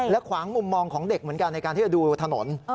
ขวางมุมมองของเด็กเหมือนกันในการที่จะดูถนน